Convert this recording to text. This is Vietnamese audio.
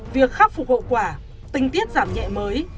việc khắc phục hậu quả tình tiết giảm nhẹ mới